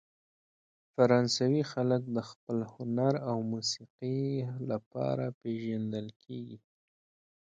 فرانسوي خلک د خپل هنر او موسیقۍ لپاره پېژندل کیږي.